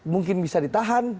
mungkin bisa ditahan